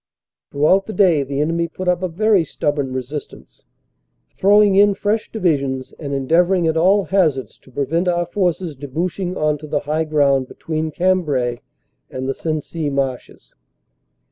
Throughout the day the enemy put up a very stubborn resistance, throwing in fresh Divisions and endeavoring at all hazards to prevent our forces debouching on to the high ground between Cambrai and the Sensee marshes.